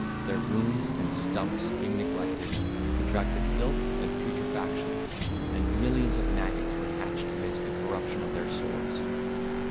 Their wounds and stumps, being neglected, contracted filth and putrefaction, and millions of maggots were hatched amidst the corruption of their sores.